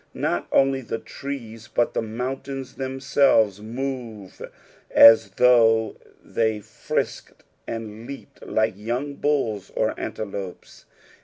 Not only the trees, but the mountains themselves move as though they frisked and leaped like young bulls or antelopes.